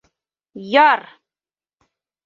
Яр!..